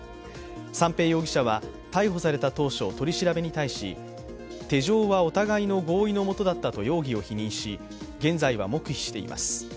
三瓶容疑者は、逮捕された当初、取り調べに対し、手錠はお互いの合意のもとだったと容疑を否認し現在は黙秘しています。